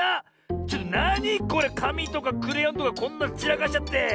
ちょっとなにこれ⁉かみとかクレヨンとかこんなちらかしちゃって。